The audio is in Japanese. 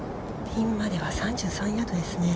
◆ピンまでは、３３ヤードですね。